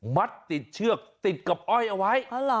มัดติดเชือกติดกับอ้อยเอาไว้